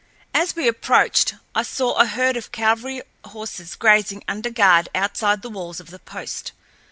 As we approached, I saw a herd of cavalry horses grazing under guard outside the walls of the post.